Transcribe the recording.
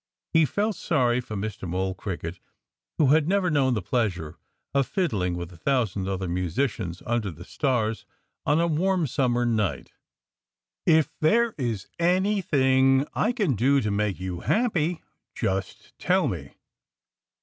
He felt sorry for Mr. Mole Cricket, who had never known the pleasure of fiddling with a thousand other musicians under the stars on a warm summer night. "If there is anything I can do to make you happy, just tell me!"